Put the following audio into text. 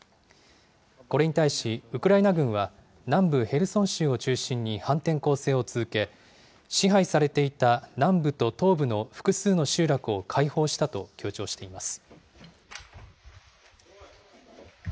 これに対しウクライナ軍は、南部ヘルソン州を中心に反転攻勢を続け、支配されていた南部と東部の複数の集落を解放したと強調しています。